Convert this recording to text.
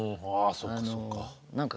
ああそっかそっか。